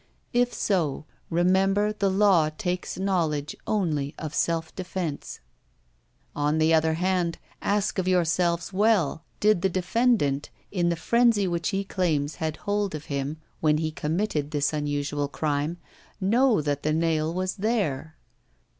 If so, remember the law takes knowledge only of self defense. 279 ROULETTE '^On the other hand, ask of yourselves well, did the defendant, in the frenzy which he claims had hold of him when he committed this unusual crime, know that the nail was there?